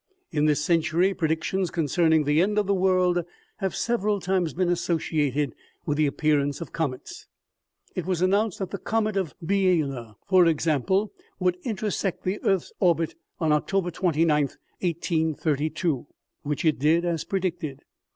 In this century, predictions concerning the end of the world have several times been associated with the appear ance of comets. It was announced that the comet of Biela, for example, would intersect the earth's orbit on October 29, 1832, which it did, as predicted.